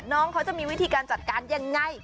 น้องเขาจะมีวิธีการจัดการยังไง